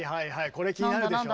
これ気になるでしょう。